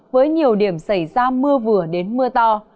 với nhiều điểm xảy ra mưa vừa đến mưa to